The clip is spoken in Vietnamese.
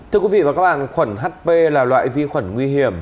thưa quý vị và các bạn khuẩn hp là loại vi khuẩn nguy hiểm